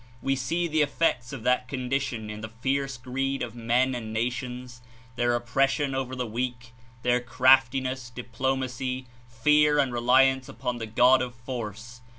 We see the effects of that condition in the fierce greed of men and nations, their oppression over the weak, their craftiness, diplomacy, fear and reli ance upon the god of force.